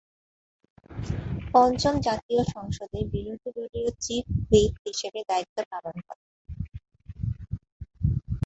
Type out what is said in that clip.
পঞ্চম জাতীয় সংসদে বিরোধী দলীয় চিফ হুইপ হিসেবে দায়িত্ব পালন করেন।